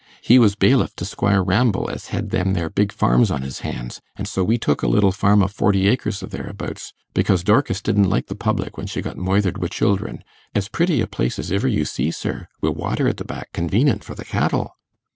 He was bailiff to Squire Ramble, as hed them there big farms on his hans; an' so we took a little farm o' forty acres or thereabouts, becos Dorkis didn't like the public when she got moithered wi' children. As pritty a place as iver you see, sir, wi' water at the back convenent for the cattle.